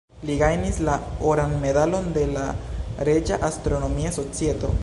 Li gajnis la Oran Medalon de la Reĝa Astronomia Societo.